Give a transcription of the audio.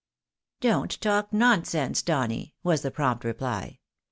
" Don't talk nonsense, Denny," was the prompt reply.